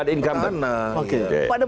ini etis sebagai peranan